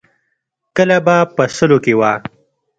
کله به په سلو کې وه.